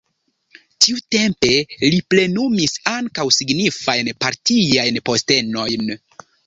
Tiutempe li plenumis ankaŭ signifajn partiajn postenojn.